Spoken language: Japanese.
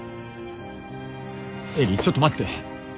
絵里ちょっと待って。